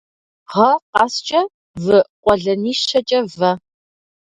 Гъэ къэскӏэ вы къуэлэнищэкӏэ вэ.